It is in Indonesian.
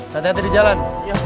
nanti nanti di jalan